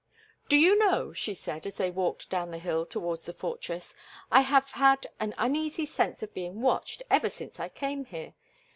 "Do you know," she said, as they walked down the hill towards the fortress, "I have had an uneasy sense of being watched ever since I came here?